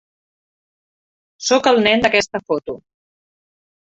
Sóc el nen d'aquesta foto.